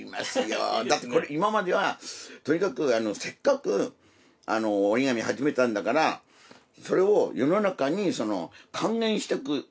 よだってこれ今まではとにかくせっかくおりがみはじめたんだからそれを世の中に還元していく。